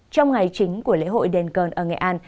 trong ngày chính của lễ hội đền cờn ở nghệ an